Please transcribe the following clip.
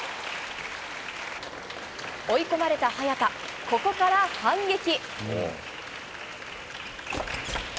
追い込まれた早田、ここから反撃。